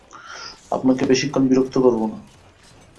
আপনাকে বেশিক্ষণ বিরক্ত করব না।